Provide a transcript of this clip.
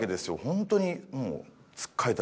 ホントにもう。